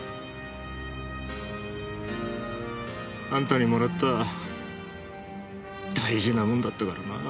あんたにもらった大事なものだったからなあ。